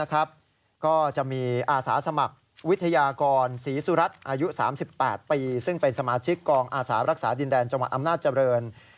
ก็จะมีอาสาสมัครวิทยากรศรีสุรัตน์อายุ๓๘ปีซึ่งเป็นสมาชิกกองอาสารักษาดินแดนจังหวัดอำนาจเจริญ